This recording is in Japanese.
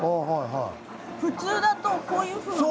普通だとこういうふうに。